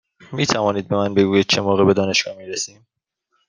می توانید به من بگویید چه موقع به دانشگاه می رسیم؟